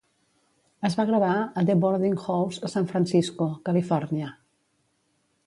Es va gravar a The Boarding House a San Francisco, Califòrnia.